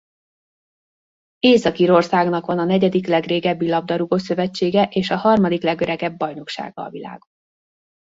Észak-Írországnak van a negyedik legrégebbi labdarúgó-szövetsége és a harmadik legöregebb bajnoksága a világon.